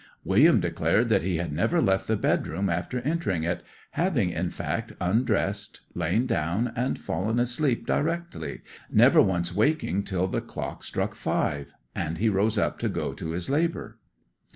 William declared that he had never left the bedroom after entering it, having in fact undressed, lain down, and fallen asleep directly, never once waking till the clock struck five, and he rose up to go to his labour.